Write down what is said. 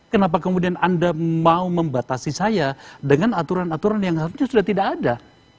kenapa kemudian anda mau membatasi saya dengan aturan aturan yang seharusnya sudah tidak ada